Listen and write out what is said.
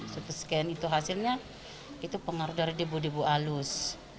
ct scan itu hasilnya itu pengaruh dari debu debu alus